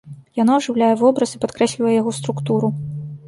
Яно ажыўляе вобраз і падкрэслівае яго структуру.